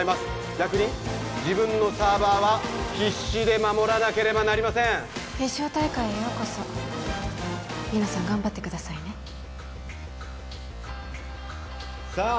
逆に自分のサーバーは必死で守らなければなりません決勝大会へようこそ皆さん頑張ってくださいねさあ